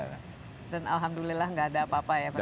dan alhamdulillah nggak ada apa apa ya